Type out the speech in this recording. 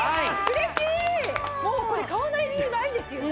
もうこれ買わない理由ないですよね？